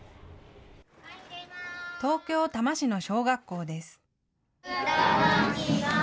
東京・多摩市の小学校です。